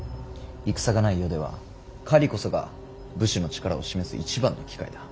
戦がない世では狩りこそが武士の力を示す一番の機会だ。